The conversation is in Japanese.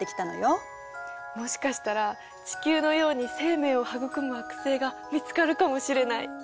もしかしたら地球のように生命を育む惑星が見つかるかもしれない！